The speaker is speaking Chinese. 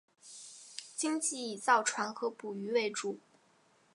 经济以造船和捕鱼为主。